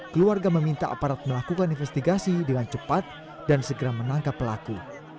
keluarga meminta aparat melakukan investigasi dengan cepat dan segera menangkap pelaku